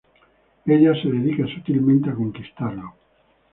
Ella se dedica sutilmente a conquistarlo.